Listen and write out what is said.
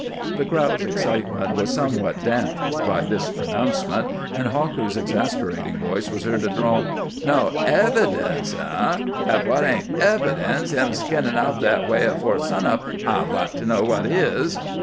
The crowd's excitement was somewhat damped by this pronouncement, and Hawker's exasperating voice was heard to drawl: "No evidence, hey? Ef that ain't evidence, him skinnin' out that way afore sun up, I'd like to know what is!"